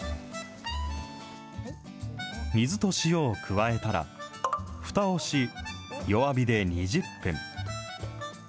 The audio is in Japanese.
水と塩を加えたら、ふたをし、弱火で２０分。